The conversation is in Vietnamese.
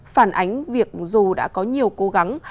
phản ánh việc dù đã có nhiều cố gắng